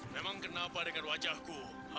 memang kenapa dengan wajahku